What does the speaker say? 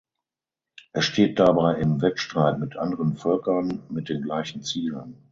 Er steht dabei im Wettstreit mit anderen Völkern mit den gleichen Zielen.